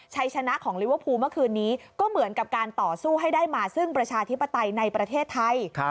ชัยชนะของลิเวอร์พูลเมื่อคืนนี้ก็เหมือนกับการต่อสู้ให้ได้มาซึ่งประชาธิปไตยในประเทศไทย